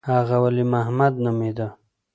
هغه ولي محمد نومېده.